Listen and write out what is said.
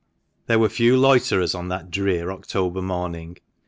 There were few loiterers on that drear October morning.